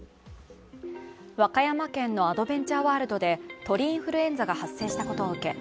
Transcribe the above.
和歌山県のアドベンチャーワールドで鳥インフルエンザが発生したことを受け